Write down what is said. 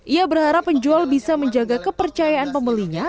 ia berharap penjual bisa menjaga kepercayaan pembelinya